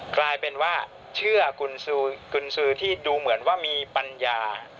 กลายเป็นว่าเชื่อกุญสือที่ดูเหมือนว่ามีปัญญา